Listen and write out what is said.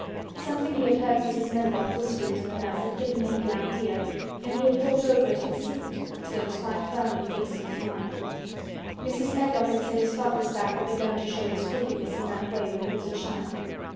Something he had heard Mrs. Medlock whispering to the nurse had given him the idea and he had thought over it in secret until it was quite firmly fixed in his mind. Mrs. Medlock had said his father's back had begun to show its crookedness in that way when he was a child.